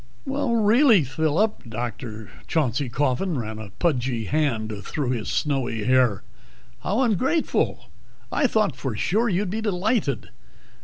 "Really, Phillip!" Dr. Chauncey Coffin ran a pudgy hand through his snowy hair. "How ungrateful! I thought for sure you'd be delighted.